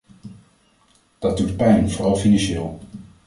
Dat doet pijn, vooral financieel.